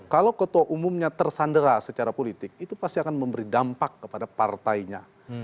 kalau ketua umumnya tersandera secara politik itu pasti akan memberi dampak kepada partainya